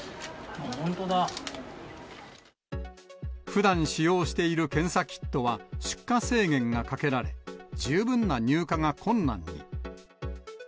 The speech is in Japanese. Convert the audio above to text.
ふだん使用している検査キットは、出荷制限がかけられ、十分な入荷が困難に。